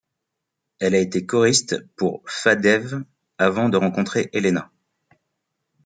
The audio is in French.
Elle a été choriste pour Fadeev avant de rencontrer Elena.